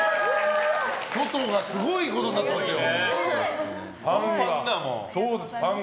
外がすごいことになってますよ。